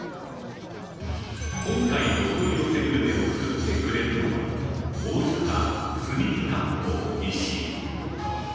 今回のお取り寄せグルメを作ってくれるのは大阪「炭火割烹いしい」。